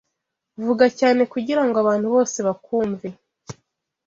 Vuga cyane kugirango abantu bose bakwumve.